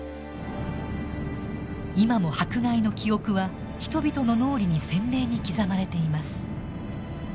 今も迫害の記憶は人々の脳裏に鮮明に刻まれています。